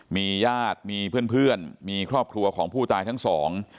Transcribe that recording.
มีญาติมีเพื่อนเพื่อนมีครอบครัวของผู้ตายทั้งสอง